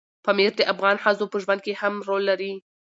پامیر د افغان ښځو په ژوند کې هم رول لري.